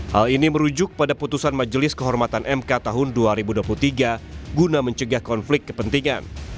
hal ini merujuk pada putusan majelis kehormatan mk tahun dua ribu dua puluh tiga guna mencegah konflik kepentingan